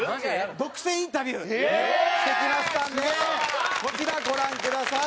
独占インタビューしてきましたんでこちらご覧ください。